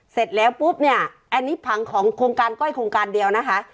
เสร็จแล้วปุ๊บเนี่ยอันนี้ผังของโครงการก้อยโครงการเดียวนะคะ